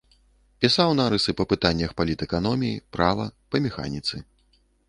Пісаў нарысы па пытаннях палітэканоміі, права, па механіцы.